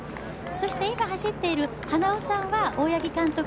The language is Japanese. そして今走っている花尾さんは大八木監督